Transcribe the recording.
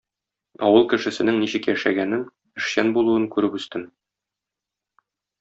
Авыл кешесенең ничек яшәгәнен, эшчән булуын күреп үстем.